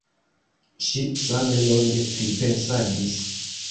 Ŝi same longe pripensadis.